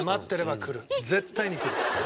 絶対に来る。